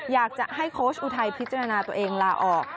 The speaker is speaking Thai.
อยากจะให้โค้ชอุทัยพิจารณาตัวเองลาออก